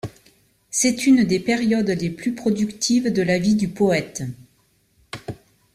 C'est une des périodes les plus productives de la vie du poète.